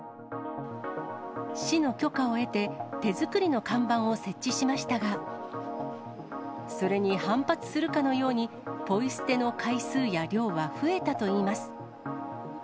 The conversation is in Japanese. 市の許可を得て、手作りの看板を設置しましたが、それに反発するかのように、ポイ捨ての回数や量は増えたといいます。